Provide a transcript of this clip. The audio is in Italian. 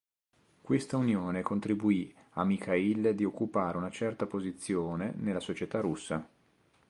Questa unione contribuì a Michail di occupare una certa posizione nella società russa.